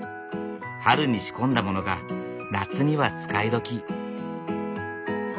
春に仕込んだものが夏には使い時。